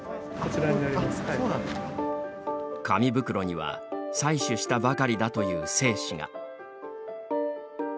紙袋には採取したばかりだという精子が。